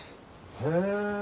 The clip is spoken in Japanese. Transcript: へえ。